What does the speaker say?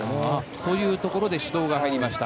というところで指導が入りました。